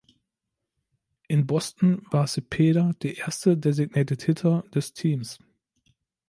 In Boston war Cepeda der erste Designated Hitter des Teams.